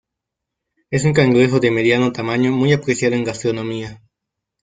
Es un cangrejo de mediano tamaño muy apreciado en gastronomía.